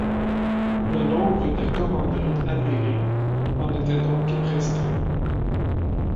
Le nombre des commanderies avérées au était donc restreint.